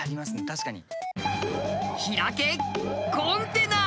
確かに。